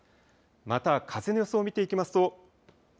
また風の予想を見ていきますと